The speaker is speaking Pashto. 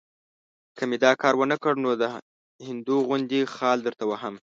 که مې دا کار ونه کړ، نو د هندو غوندې خال درته وهم.